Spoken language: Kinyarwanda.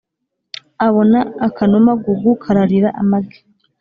abona akanuma gugu kararira amagi.